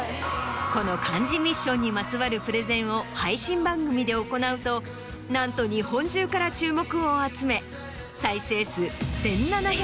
この漢字ｍｉｓｓｉｏｎにまつわるプレゼンを配信番組で行うとなんと日本中から注目を集め。